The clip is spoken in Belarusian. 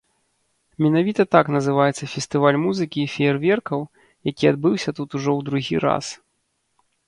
Менавіта так называецца фестываль музыкі і феерверкаў, які адбыўся тут ужо ў другі раз.